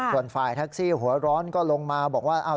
ส่วนฝ่ายแท็กซี่หัวร้อนก็ลงมาบอกว่า